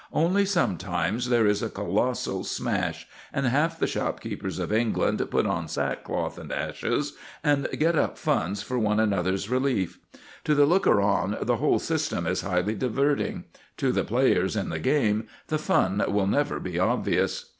Only sometimes there is a colossal smash, and half the shopkeepers of England put on sackcloth and ashes and get up funds for one another's relief. To the looker on the whole system is highly diverting; to the players in the game the fun will never be obvious.